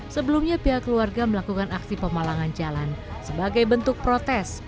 sebelumnya pihak keluarga melakukan aksi pemalangan jalan sebagai bentuk protes